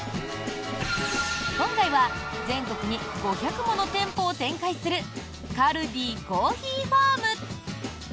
今回は、全国に５００もの店舗を展開するカルディコーヒーファーム。